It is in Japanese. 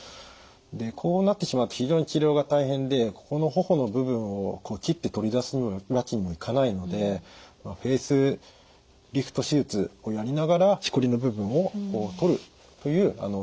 でこうなってしまうと非常に治療が大変でここの頬の部分を切って取り出すわけにもいかないのでフェイスリフト手術をやりながらしこりの部分をとるという手術が必要になりました。